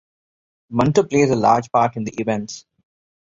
Bunter plays a large part in the events.